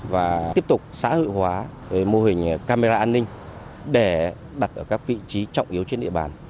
và tiếp tục xã hội hóa mô hình camera an ninh để đặt ở các vị trí trọng yếu trên địa bàn